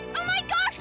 kamu tuh gimana sih